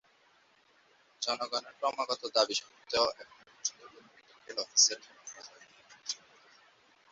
জনগণের ক্রমাগত দাবি সত্ত্বেও এখন পর্যন্ত কোন মেডিকেল অফিসার নিয়োগ করা হয়নি।